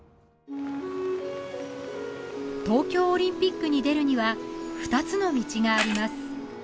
東京オリンピックに出るには二つの道があります